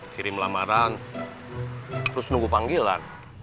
kirim lamaran terus nunggu panggilan